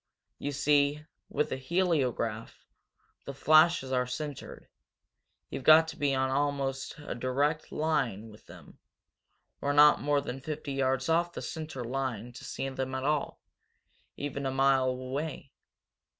You see, with the heliograph the flashes are centered. You've got to be almost on a direct line with them, or not more than fifty yards off the centre line, to see them at all, even a mile away.